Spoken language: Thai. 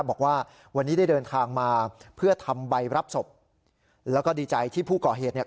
บอกว่าวันนี้ได้เดินทางมาเพื่อทำใบรับศพแล้วก็ดีใจที่ผู้ก่อเหตุเนี่ย